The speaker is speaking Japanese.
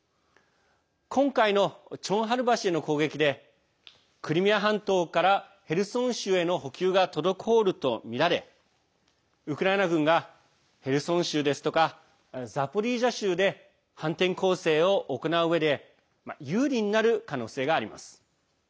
今回のチョンハル橋への攻撃でクリミア半島からヘルソン州への補給が滞るとみられウクライナ軍がヘルソン州ですとかザポリージャ州で反転攻勢を行ううえで有利になる可能性があります。